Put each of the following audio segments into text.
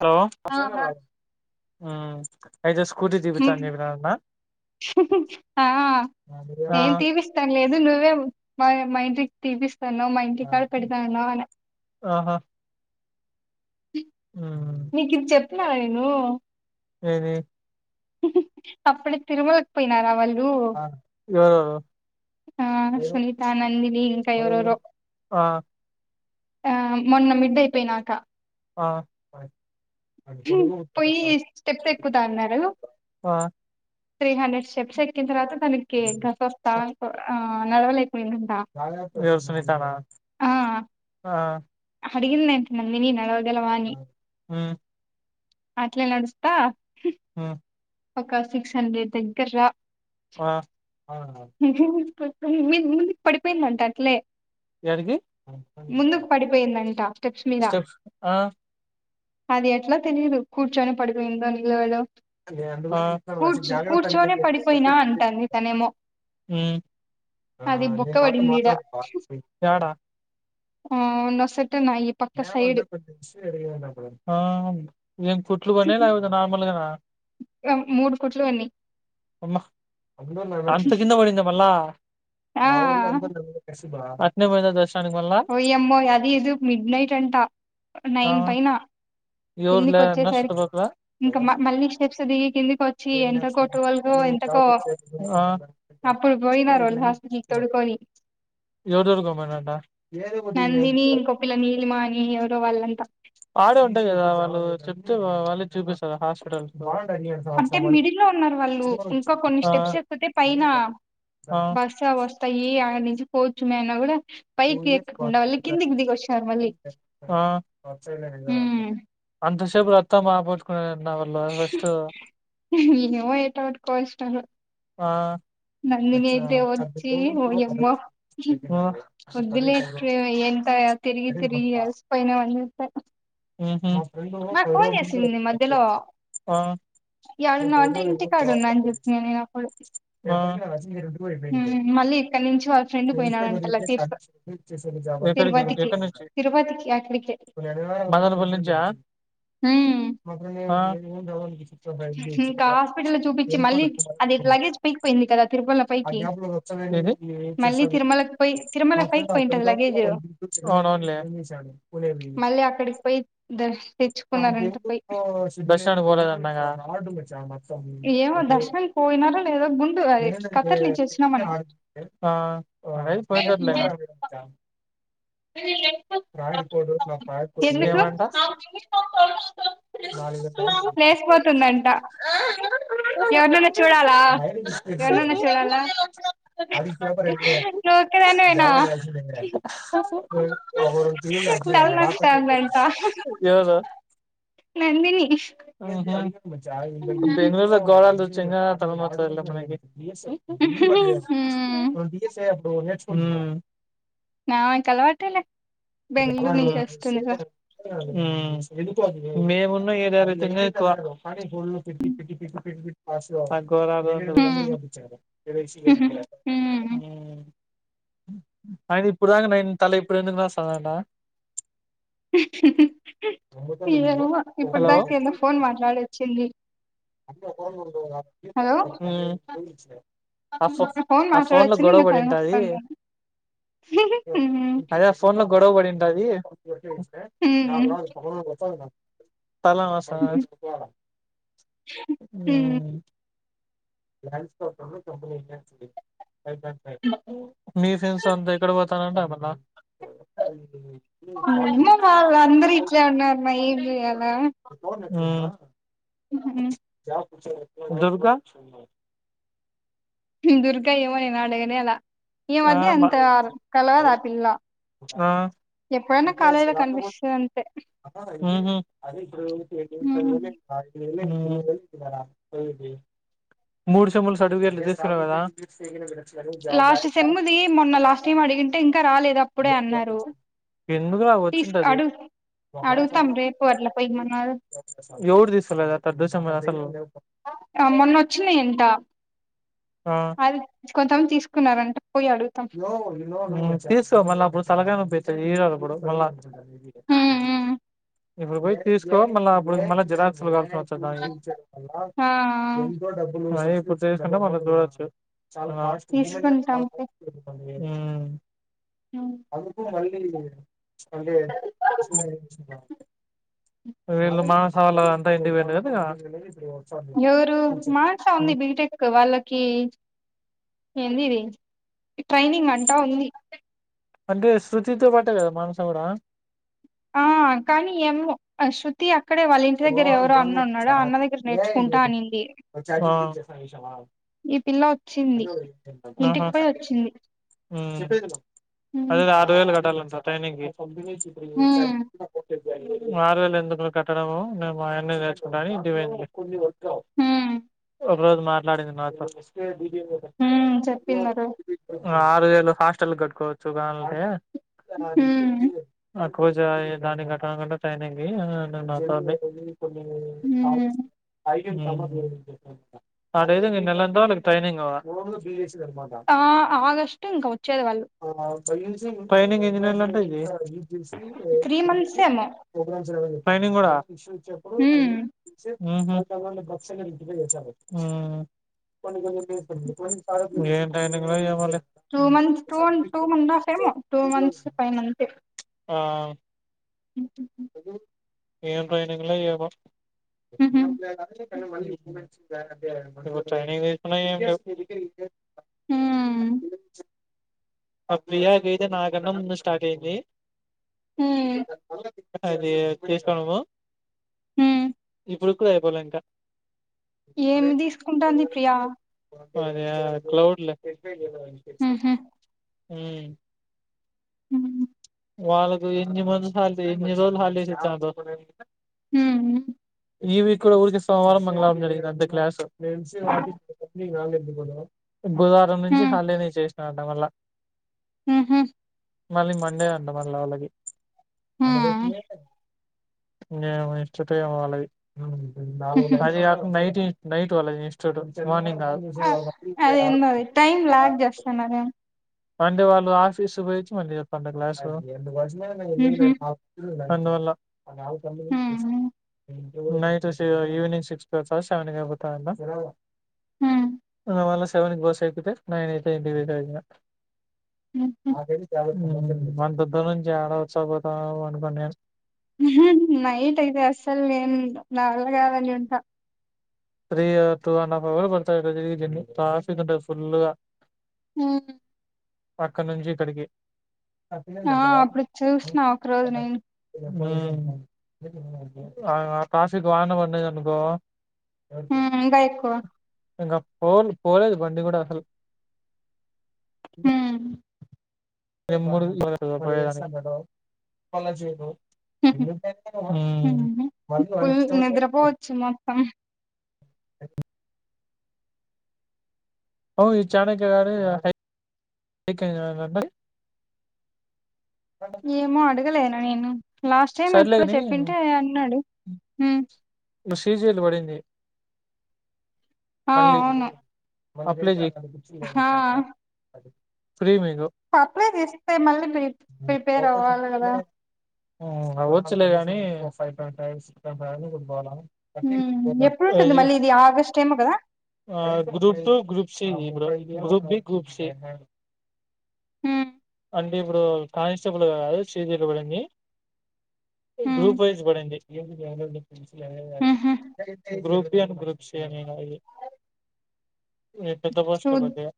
Hello ఆ ఆ ఆ నేను తీపిస్తాను లేదు ను లేవు మా మా ఇంటికి తీపిస్తా పోయినవ్ మా ఇంటి కాడ పెడతానన్నావనే ఆహా మ్మ్ నీకు ఇది చెప్ ఎట్లా అయినావ్ ఏది అప్పుడే తిరుమలకి పోయినారా వాళ్లు ఎవరెవరు ఆ సునీత నందిని ఇంకా ఎవరెవరో ఆ ఆ మొన్న మిడ్ అయిపోయినాక ఆ పోయి స్టెప్స్ ఎక్కుతా అన్నారు త్రీ హండ్రెడ్ స్టెప్స్ ఎక్కిన తర్వాత తనకి గస వస్తా ఆ నడవలేక సునితనా ఆ అడిగింద అంత నందీని నడవాలి ఉ అట్లే నడుస్త మ్మ్ ఒక సిక్స్ హండ్రెడ్ దగ్గర రా ఆ ముందుకు పడిపోయిందంట అట్లే యాడికి ముందుకు పడిపోయిందంట స్టెప్స్ మీద స్టెప్స్ ఆ అది ఎట్లా తెలీయదు కూర్చొని పడిపోయింది నిలబడ కూర్చు కూర్చొనే పడిపోయినా అంటాంది తనేమో మ్మ్ అది బొక్క పడిందిడా యాడ ఆ నొసట నా ఆ ఎంత కుట్లు పడినయా లేకపోతే నార్మల్గానా మూడు కుట్లు ఉన్నాయి అమ్మ అంత కింద పడింద మళ్ళా ఆ మా ఊర్లో అందరిని అట్నే పోయిన దస్ వయామ్మో అది ఇది మిడ్ నైట్ పెంట ఆ నైన్ పైనా ఎవరు కిందికి లేరన్న వచ్చేసరికి, చుట్టుపక్కల ఇంకా మళ్ళీ స్టెప్స్ దిగి కిందికి వచ్చి, ఎంతకో టూవల్ ఎంతకో ఆ అప్పుడు పోయినళ్ళు హాస్పిటల్కి తోడుకొని ఎవరెవరు గమ్మునుండ నందిని ఇంకొ పిల్ల నీలిమా అని ఎవ [unintelligible] వాళ్ళు ఆడే ఉంటాయి కదా వాళ్ళు చూపిస్తారా హాస్పిటల్స్ లో అంటే మిడిల్ లో ఉన్నారు వాళ్ళు, ఇంకా కొన్ని ఆ స్టెప్స్ ఎక్కితె పైన ఆ బస్స వస్తాయి అని. పోచ్చు మే అన్న గూడ అ మళ్ళీ ఉమ్ అంత అప్పు రత్తా పోట్టుకు ఏమో ఎటో గ టు కోసినారో ఆ నందిని అయితే వచ్చి హోయమ్మ ఉహు వద్దులేట్ ఎంత తిరిగి తిరిగి అలిసిపోయినా అని సరి ఉహు మరి ఫోన్ చేసింది మధ్యలో ఆ ఆ యాడున్నావుంటే, ఇంటికాడ ఉన్నా అని చెప్పిన నేను అపుడు [inaudible] మళ్ళీ ఇక్కడ నుంచి వాళ్ళ ఫ్రెండ్ పోయినాడుంట, లగేజి తో ఎక్కడికి తిరుపతికి తిరుపతికి అక్కడికే మదనపల్లె నుంచా ఉమ్ [unintelligible] ఇంకా హాస్పిటల్ లో చూపించి మళ్ళీ అది లగేజ్ పైకి పోయింది కదా తిరుమల పైకి మళ్ళీ తిరుమలకి పోయి తిరుమల పైకి పోయింటది లగేజ్ [inaudible] మళ్ళి అక్కడికి పోయి డ్రెస్ తెచ్చుకున్నారంట పోయి ఏమో దర్శనం పోయినారో లేదో గుండు అది ఖతర్ [inaudible] నుంచి వచ్చినామని ఆ [inaudible] ఎందుకు లేచపోతుందంట ఎవరినన్నా చూడాలా ఎవరినన్నా చూడాలా ఓకేదాం నేనా తలనొస్తాందంట ఎ నందిని ఎవరు బెంగుళూరులో [unintelligible] చంగగా తల మతద తెలియదమ్మా నికి బి హ్మ్ స్ ఐ హ్మ్ నా కలవాటే లె బెంగుళూరు నుంచి వస్తుండగా హ్మ్ మేమున్న ఏరియాలో అయితే ఇంకా ఎక్కువ తక్కువ రాదు అంటున్న హ్మ్ అయినా ఇప్పుడు దాకా నైని తల ఇపుడు ఎందుకు నోస్ అవునా ఏమో ఇప్పుడు హలో దాకా ఏదో ఫోన్ మాట్లాడొచ్చింది హ్మ్ ఇపుడు ఫోన్ మాట్లాడి వచ్చింది గొడవ ఇంకా పడింటది తలనొస్తంది అం గొడవపడింటాది నా బాధ పక్కనోడికి తెలుస లేదా తల నొస్తాందా హ్మ్ థాంక్స్ ఫర్ మన కంపెనీ మీ ఫ్రెండ్స్ తో అంతా ఎక్కడికి పోతాన అంట నా నువ్వే కాదు అందరూ ఇట్లానే ఉన్నారు ఏం చేయాలా జామ్ దుర్గా దుర్గా ఏమైనాది అని అడగానే లా యా హ్మ్ ఆ పిల్ల ఎప్పుడైనా కాలేజీలో కనిపిస్తది అంతే హు ఉమ్. మూడు చెంబుల సర్టిఫికేట్లు తీసుకున్నావు కదా ధనుం జబా సెమ్ము ది మొన్న లాస్ట్ టైం అడిగింటే ఇంకా రాలేదు అప్పుడే అన్నారు ఎందుకురా టిస్ వచ్చింటది అడుగు అడుగుతాం రేపు అట్లా పోయి మో ఎవడు తీసుకెళ్లలేదా పెద్ద సేమ్ అసలు ఆ మొన్న వచ్చినయ్ అంట అది కొత్తం తీసుకున్నారంట పోయి అడుగుతాం చేస్తావా మల్ల ఆ తలకాయ నొప్పి అయితది ఇయరు మల్ల ఉమ్, ఉమ్. ఇప్పుడు పోయి తీసుకో మల్ల అప్పుడు మల్ల జిరాక్స కడ్తా ఆ ఏం చేయడం మల్ల ఆ ఇంట్లో డబ్బు అయ్యే ఇప్పుడు చేసుకుంటా మల్ల చూడచ్చు చాలా లాస్ట్ హ్మ్ తీసుకుంటాం పో. ఉమ్. అందుకు మళ్ళీ ఇ వీళ్లు మాస్ హౌలగం [unintelligible] ఎవరు మానసా ఉంది బిటెక్ వాళ్ళకి ఏంది ఇది ట్రైనింగ్ అంట ఉంది అంటే శృతితో పాటే కదా మానస కూడా ఆ కానీ ఏమో శృతి అ క్కడే వాళ్ళ ఇంటి దగ్గర ఎవరో అన్న ఉన్నడు ఆ అన్న దగ్గర నేర్చుకుంటా అనింది కానీషవా ఈ పిల్ల వచ్చింది ఇంటికి పొయి వచ్చింది హూ మ్ హ్మ్ అదేదొ ఆరు వేలు కట్టాల కట్టేనికి హ్మ్ ఆరువేలు ఎందుకు లే కట్టడము నే మా అయన్ని తెచ్చుకుంట అని ఇంటికి పోయింది హూ ఒక రోజు మాట్లాడింది నా తో హ్మ్ చెప్పిందరు అ ఆరువేలు హాస్టల్కు కట్టుకోవచ్చు గా అంటే హ్మ్ అ కొచా యే దాన్ని కట్టడం కంటే ట్రైనింగ్ కి అనీ నాతోని అంది కోలి కొన్ని పాల్ హ్మ్ పోసిన ఐ హుమ్ అట్టయితే నీకు నెలంతా టైనింగ్ ఆ ఆ ఆగస్టు ఇంకా వచ్చేది వాళ్ళు ట్రైనింగ్ ఏ ఎన్ని నెలలు అంట ఇది త్రీ మంత్స్ ఏమో ట్రైనింగ్ కూడా విషన్ చెప్పుడో పది వే హ్మ్ చెప్ హూ హుమ్ మ్మ్ ఏం ట్రైనింగ్ లో ఏమో లే two months two two and half ఏమో టూ మంత్స్ పైన అంతే ఆ హ ఏం ట్రైనింగ్లో ఏమో ఉహు మ ట్రైనింగ్ తీస్తున్నా ఏమీ లేదు [inaudible] హ్మ్ ఆ ప్రియకైతే నా కన్నా ముందు స్టార్ట్ అయింది హ్మ్మ్ అది తీసుకోనము హ్మ్మ్ పడుకుయిపోలేంకా ఏం తీసుకుంటాంది ప్రియ అదా క్లౌడ్ లే ఇ ఉహు మ్మ్ హ్మ్మ్ వాళ్ళకు ఎన్ని వంద సార్లు ఎన్ని రోజులు హాలిడేస్ ఇస్తాంధో హ్మ్మ్ ఇవి ఇక్కడ కూడా ఊరికి సోమవారం మంగళవారం జరిగింది అంతే క్లాస్ మేంసీ వాటికి కొత్త [unintelligible] కాలే [unintelligible] బుధవారం నుంచి హాలిడే నే చేసి గంట వల్ల హ్మ్మ్ మళ్ళీ మండే అంట వాళ్ళ వాళ్ళకి హు మన బ్రతుకులే నే ఎక్స్ట్రా టైమ్ వాళ్ళది ఉమ్ అదీగాక నైట్ నైట్ వాళ్ళకి చేస్తాడు మార్నింగ్ కాదు అదేంద అది టైమ్ లాగ్ చేస్తాన్నదే అంటే వాళ్ళు ఆఫీస్ పోయిచ్చి మళ్ళీ చెప్పండి క్లాసు ఉహు [unintelligible] అందువల్ల హు నైట్ ఈవినింగ్ సిక్స్ వస్త సెవెన్ అయిపోతా అన్న హ్మ్మ్ మళ్ళా సెవెన్ కు బస్ ఎక్కితే నైన్ అయితది ఇంటికి వెళ్ళేసరికి అది చవ [unintelligible] మన దద్ద నుంచి యాడ వచ్చ పోతావు అనుకొని ఉన్నాడు. హు హుమ్మ్ నైట్ అయితే అస్సల్ నేనుంటా నా వల్ల కాదని ఉంటా three or two and half hour పడతది. ఎట్ట తిరిగి జర్నీ ట్రాఫిక్ ఉంటది. ఫుల్లు గా అవునా అక్కడ నుంచి ఇక్కడికి ఆ అప్పుడు చూసిన ఒక రోజు నేను ఆ కాశీకి వాన పడినది అనుకో ఉమ్ ఇంకా ఎక్కువ ఇంకా పోన్ పోలేదు బండి కూడా అసలు హ్మ్. [unintelligible] వస్తాను రేపు పో పళ్ళ ఇడ్చివి పో హుహు. హ్మ్ హుహు. పం ఓయ్ చాణక్య గా అటై ఇక్కనే నా [unintelligible] ఏమో అడగలేను. అడగలేను లాస్ట్ టైమ్ సర్లే ఎప్పుడో కాని చెప్పింటే అన్నాడు. హ్మ్ ప్రొసీజర్లు పడింది. ఆ అవును మళ్ళా అప్లై చేయి అటు కుర్చుందురా ఆ మచ్చ రా అటు అప్లై చేస్తే మళ్ళీ ప్రిప్ ప్రిపేర్ అవ్వాలి కదా హ్మ్ అవ్వచ్చులే గాని బాల హ్మ్ ఎప్పుడుంటుంది [unintelligible] మళ్ళీ ఇది ఆగస్ట్ ఏమో కదా ఆ గ్రూప్ టూ గ్రూప్ సి ఇ bro group B group C హ్మ్ అంటే ఇప్పుడు కానిస్టేబుల్ గా కాదు సీ జీ ఎల్ గా పడింది అంటే హ్మ్ గ్రూప్ వైజ్ పడింది. ఊహూ group B and group same ఏ నాది ఇది ఎంతకు బో చూ వస్తది బస్ ఇగ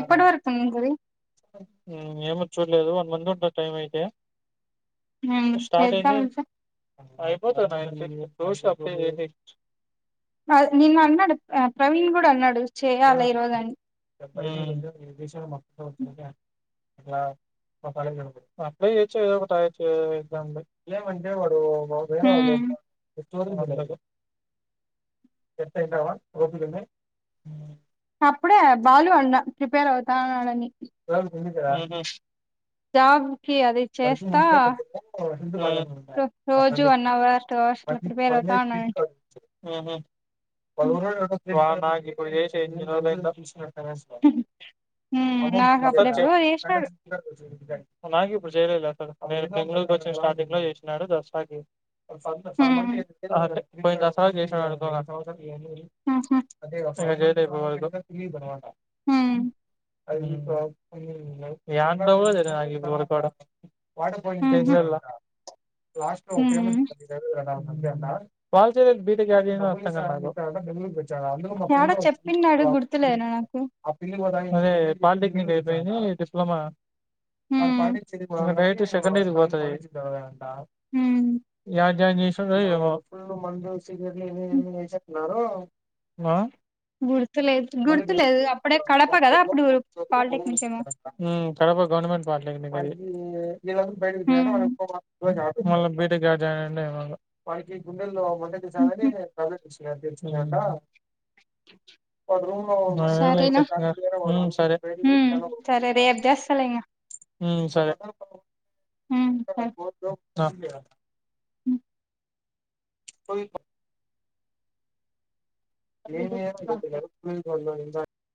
ఎప్పటి వరకు ఉంటది ఏమో చూడలేదు వన్ మంత్ ఉంటది. టైమ్ అయితే హ్మ్ స్టార్ట్ చేద్దాం అయింది ఇంకా అయిపోతది నాకు అయితే దోస్త్ అప్లై చేసేసి నాక్ నిన్న అన్నాడు. ఆ ప్రవీణ్ కూడా అన్నాడు. ఆ చేయాలి ఈ రోజు అని మ్ అప్లయ్ చేయొచ్చు గా ఎగ్జామ్ కి ఏమంటే వాడు వేరే వాళ్ళ హ్మ్ సెట్ అవుతావా ఓపిక ఉందా అప్పుడే బాలు అన్నా ప్రిపేర్ అవుతానడానీ ఊహు జాబ్ కి అది ఉ చేస్తా ఊహు రో రోజు వన్ అవర్ టూ అవర్స్ ఇట్లా ప్రిపేర్ అవుతా ఉన్నాడంట వాడు నాకు ఇప్పుడు చేసి ఎన్ని రోజులయ్యిందో ఒకసారి హ్మ్ నాకు చెయ్ అప్పుడెప్పుడో చేసినాడు నాకేప్ ఇప్పుడు చేయలేదు అసలు నేను బెంగళూరుకి వచ్చిన స్టార్టింగ్ లో చేసినాడు దసరాకి హ్మ్ అదే పోయిన దసరా కి చేసినాడనుకో [inaudible] ఊహూ ఇంక చేయలేదు ఇప్పటి వరకు మ్ యాండావో తేలీ ఇప్పటివరకు ఆడ ఏం ఊహూ చెయ్యాల హ్మ్ బాల శరత్ బిటెక్ యాడ చేసినాడో అర్థం యాడో కావటం లేదు చెప్పిన్నాడు గుర్తులేదు నాకు నాకు అదే పాలిటెక్నిక్ నీది అయిపోయింది డిప్లమా ఆ హ్మ్ పాటించ్ ఆమె డైరెక్ట్ సెకండ్ ఇయర్ కి పోతాది మ్ యాడ జాయిన్ చేసినాడు ఏమో హాలో గుర్తులేదు గుర్తులేదు అప్పుడే కడప కదా అప్పుడు పాలిటెక్నిక్ ఏమో మ్ కడప గవర్నమెంట్ పాలిటెక్నిక్ ఆది ఈన్నే ఈళ్ళందురు బయట కూర్చున్నారు హ్మ్ వాడికి ఫోర్ మార్క్ మళ్ళ బీటిర్ ఏడ జాయిన్ అయినాడో ఏమో [inaudible] హు పూడ్చి నా తెరచినా మాదేమైన ఈ సరేనా సెక్షనా మ్ సరే హ్మ్ సరే మ్ సరే మ్ సరే త [inaudible] ఏమయ్యాడో వాడు రెండు ఇస్తేనేకధ బ